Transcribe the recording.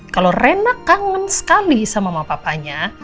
kalau rena kangen sekali sama mama papanya